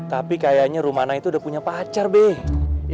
tapi kayaknya rumana itu udah punya pacar deh